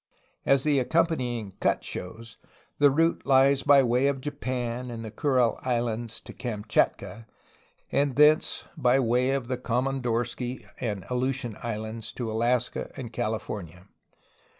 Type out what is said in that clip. As the accom panying cut shows, the route Hes by way of Japan and the Kurile Islands to Kamchatka, and thence by way of the Komondorski and Aleutian Islands to Alaska and Califor nia.